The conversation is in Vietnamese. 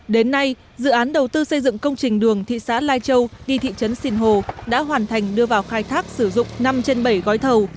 đến nay dự án đầu tư xây dựng công trình đường thị xã lai châu đi thị trấn sinh hồ đã hoàn thành đưa vào khai thác sử dụng năm trên bảy gói thầu